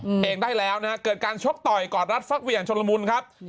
เองได้แล้วนะฮะเกิดการชกต่อยกอดรัดฟักเหวี่ยงชนละมุนครับ